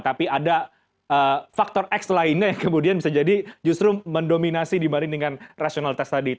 tapi ada faktor x lainnya yang kemudian bisa jadi justru mendominasi dibanding dengan rasionalitas tadi